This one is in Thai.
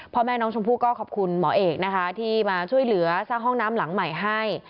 พ่อแม่น้องชมพู่ก็ขอบคุณหมอเอกนะคะที่มาช่วยเหลือสร้างห้องน้ำหลังใหม่ให้